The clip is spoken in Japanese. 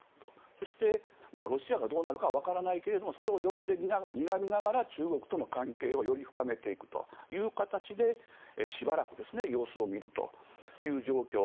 そしてロシアがどうなるかはわからないけれどそれを横目でにらみながら中国との関係をより深めていくという形でしばらく様子を見るという状況。